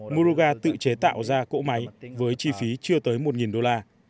muruganatham tự chế tạo ra cỗ máy với chi phí chưa tới một nghìn đô la